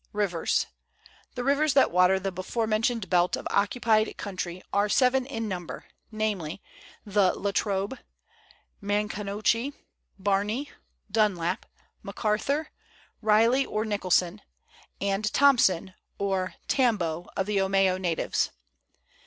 RIVERS. The rivers that water the before mentioned belt of occupied country are seven in number, namely, the La Trobe, Maconochie, Barney, Dunlop, Macarthur, Riley or Nicholson, and Thomson, or Tambo of the Omeo natives.